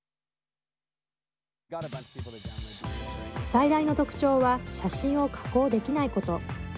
最大の特徴は写真を加工できないこと。